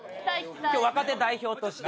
今日若手代表として。